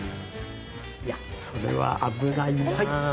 いやそれは危ないなぁ。